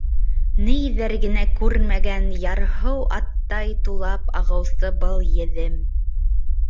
Ниҙәр генә күрмәгән ярһыу аттай тулап ағыусы был Еҙем!